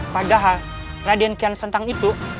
padahal raden kian sentang itu